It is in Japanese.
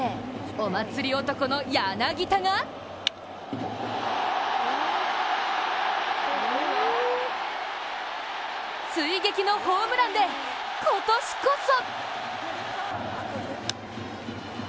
お祭り男の柳田が追撃のホームランで今年こそ！